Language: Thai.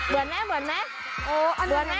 เหมือนไหมเหมือนไหม